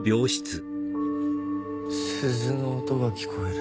鈴の音が聞こえる。